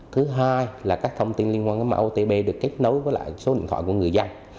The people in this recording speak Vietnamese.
thứ hai là các thông tin liên quan tới mạng otp được kết nối với lại số điện thoại của người dân